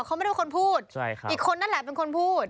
เขาไม่ได้เป็นคนพูดอีกคนนั่นแหละเป็นคนพูด